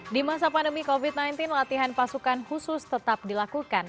di masa pandemi covid sembilan belas latihan pasukan khusus tetap dilakukan